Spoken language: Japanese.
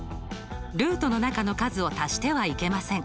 ルートの中の数を足してはいけません。